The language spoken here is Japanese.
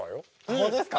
本当ですか？